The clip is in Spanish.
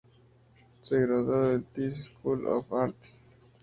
Se graduó del Tisch School of Arts.